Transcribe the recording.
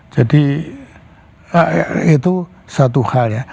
jadi itu satu hal ya